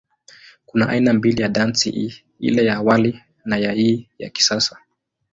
Kuna aina mbili ya dansi hii, ile ya awali na ya hii ya kisasa.